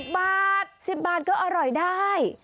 บาท๑๐บาทก็อร่อยได้